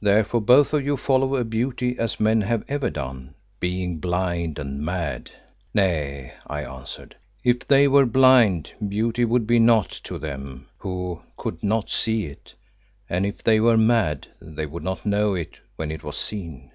Therefore both of you follow beauty as men have ever done, being blind and mad." "Nay," I answered, "if they were blind, beauty would be naught to them who could not see it, and if they were mad, they would not know it when it was seen.